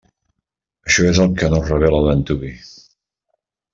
Això és el que no es revela d'antuvi.